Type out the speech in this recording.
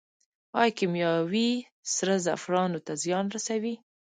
آیا کیمیاوي سره زعفرانو ته زیان رسوي؟